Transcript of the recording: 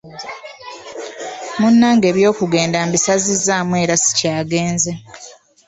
Munnange eby'okugenda mbisazizzaamu era sikyagenze.